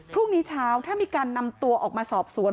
พรุ่งนี้เช้าถ้ามีการนำตัวออกมาสอบสวน